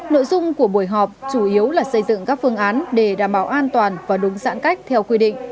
nội dung của buổi họp chủ yếu là xây dựng các phương án để đảm bảo an toàn và đúng giãn cách theo quy định